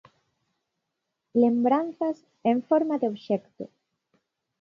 Lembranzas en forma de obxecto.